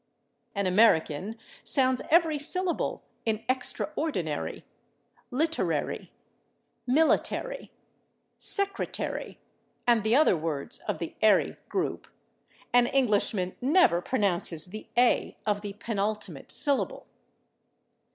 An American sounds every syllable in /extraordinary/, /literary/, /military/, /secretary/ and the other words of the / ary/ group; an Englishman never pronounces the /a/ of the penultimate syllable.